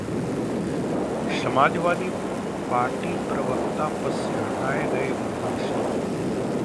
Samajwadi party प्रवक्ता पद से हटाये गये मोहन सिंह